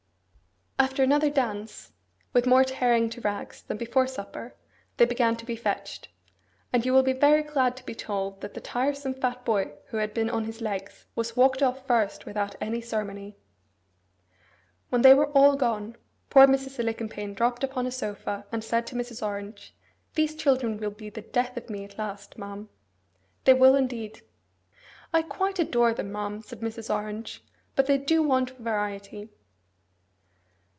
After another dance (with more tearing to rags than before supper), they began to be fetched; and you will be very glad to be told that the tiresome fat boy who had been on his legs was walked off first without any ceremony. When they were all gone, poor Mrs. Alicumpaine dropped upon a sofa, and said to Mrs. Orange, 'These children will be the death of me at last, ma'am,—they will indeed!' 'I quite adore them, ma'am,' said Mrs. Orange; 'but they DO want variety.